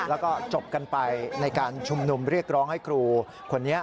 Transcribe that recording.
แล้วก็จบกันไปในการชุมนุมเรียกร้องให้ครูคนนี้